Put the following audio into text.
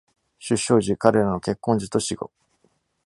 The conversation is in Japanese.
出生時、彼らの結婚時と死後。